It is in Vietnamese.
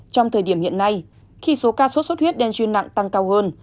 trong thời điểm hiện nay khi số ca sốt xuất huyết dengue nặng tăng cao hơn